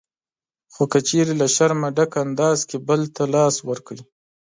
خو که چېرې له شرمه ډک انداز کې بل ته لاس ورکړئ